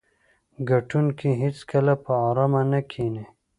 ګټونکي هیڅکله په ارامه نه کیني.